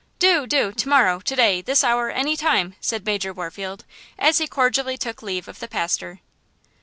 "Do, do! to morrow, to day, this hour, any time!" said Major Warfield, as he cordially took leave of the pastor.